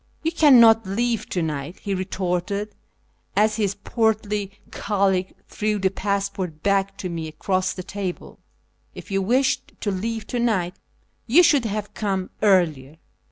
" You cannot leave to night," he retorted as his portly colleague threw the passport back to me across the table ;" if you wished to leave to night you should have come earlier."